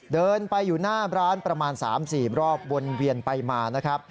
เดินไปอยู่หน้าร้านประมาณ๓๔รอบวนเวียนไปมานะครับ